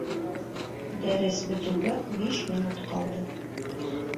Дәрес бөтөүгә биш минут ҡалды